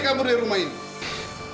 kabur dari rumah ini